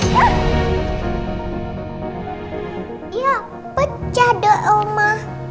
kenapa jadul oma